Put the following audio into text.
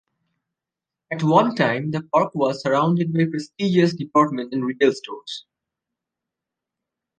At one time, the park was surrounded by prestigious department and retail stores.